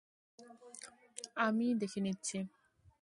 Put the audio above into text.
আমিই দেখে নিচ্ছি।